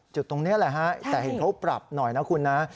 จุดตรงนี้แหละฮะแต่เห็นเขาปรับหน่อยนะคุณนะ